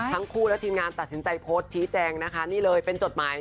ทั้งคู่และทีมงานตัดสินใจโพสต์ชี้แจงนะคะนี่เลยเป็นจดหมาย